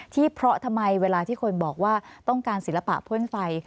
เพราะทำไมเวลาที่คนบอกว่าต้องการศิลปะพ่นไฟ